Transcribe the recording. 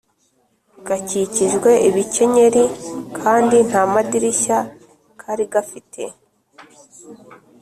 gakikijwe ibikenyeri kandi nta madirishya kari gafite